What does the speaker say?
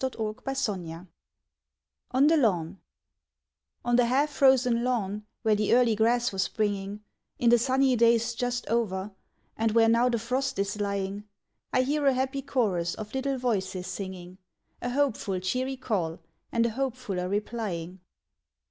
Il8 ON THE LAWN ON THE LAWN ON the half frozen lawn, where the early grass was springing, In the sunny days just over, and where now the frost is lying, I hear a happy chorus of little voices singing, A hopeful, cheery call and a hopefuller replying.